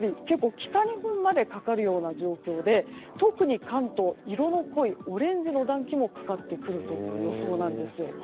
北日本までかかるような状況で特に関東、色の濃いオレンジの暖気もかかってくる予想です。